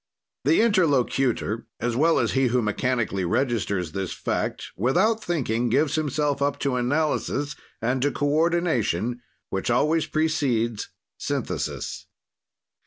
The interlocutor, as well as he who mechanically registers this fact, without thinking, gives himself up to analysis and to coordination which always precedes synthesis.